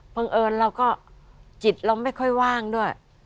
เอิญเราก็จิตเราไม่ค่อยว่างด้วย